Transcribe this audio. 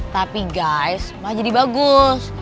tapi guys mah jadi bagus